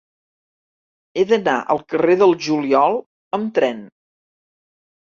He d'anar al carrer del Juliol amb tren.